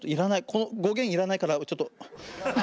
この５弦いらないからちょっと。